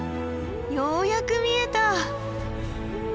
ようやく見えた！